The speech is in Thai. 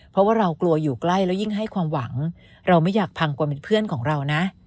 เพราะว่าเรากลัวอยู่ใกล้แล้วยิ่งให้ความหวังเราไม่อยากพังกว่าเป็นเพื่อนของเรานะ